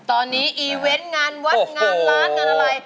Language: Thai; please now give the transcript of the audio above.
ตอนนี้อีเวนต์งานวัดงานร้านงานอะไร